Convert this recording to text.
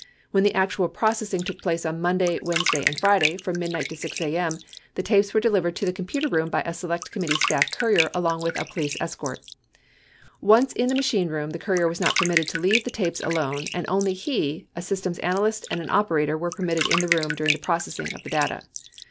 When the actual process ing took place on Monday, Wednesday, and Friday, from midnite to 6 a.m., the tapes were delivered to the computer room by a Select Com mittee staff courier along with a police escort. Once in the machine room, the courier was not permitted to leave the tapes alone and only he, a systems analyst, and an operator were permitted in the room during the processing of the data.